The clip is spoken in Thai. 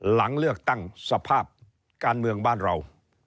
หลังเลือกตั้งสภาพการเมืองบ้านเรา